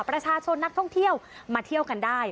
ประชาชนนักท่องเที่ยวมาเที่ยวกันได้